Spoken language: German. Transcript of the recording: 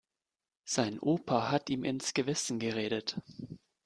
Sein Opa hat ihm ins Gewissen geredet.